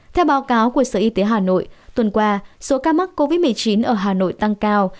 theo báo cáo của sở y tế hà nội tuần qua số ca mắc covid một mươi chín ở hà nội tăng cao